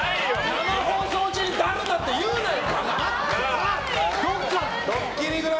生放送中にだる！って言うなよ。